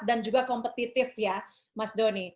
dan juga kompetitif ya mas doni